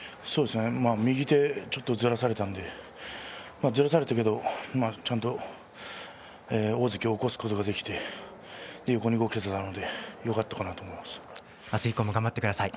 右手ちょっとずらされたのでずらされたけれどもちゃんと大関を起こすことができて横に動けていたので明日以降も頑張ってください。